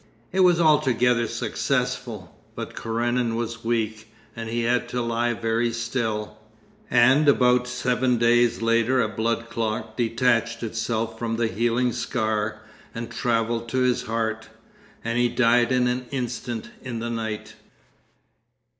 It was altogether successful, but Karenin was weak and he had to lie very still; and about seven days later a blood clot detached itself from the healing scar and travelled to his heart, and he died in an instant in the night.